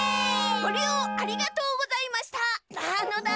ごりようありがとうございましたなのだ。